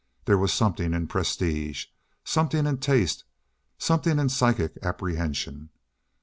There was something in prestige, something in taste, something in psychic apprehension.